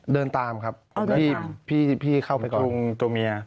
เดินตามครับพี่เข้าไปยุงตัวเมีย